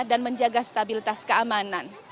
dan menjaga stabilitas keamanan